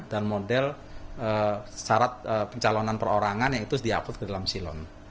dan model syarat pencalonan perorangan yang di upload ke dalam silon